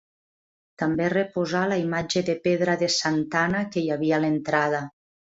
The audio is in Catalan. També es reposà la imatge de pedra de Santa Anna que hi havia a l'entrada.